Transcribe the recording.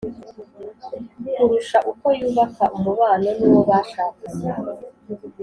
kurusha uko yubaka umubano n’uwo bashakanye.